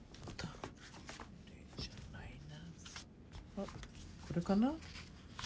あっこれかな。